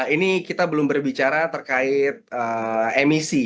ini kita belum berbicara terkait emisi